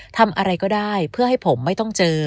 ทำอะไรก็ได้เพื่อให้ผมไม่ต้องเจอ